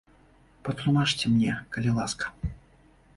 Патлумачце мне, калі ласка.